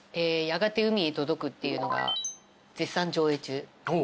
『やがて海へと届く』っていうのが絶賛上映中。